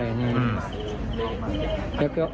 แล้วก็ก็ยิงเลยครับ